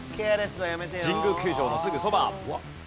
神宮球場のすぐそば。